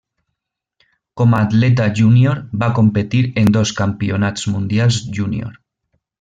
Com a atleta júnior va competir en dos Campionats Mundials Junior.